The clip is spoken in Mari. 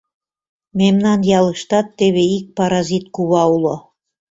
Мемнан ялыштат теве ик паразит кува уло.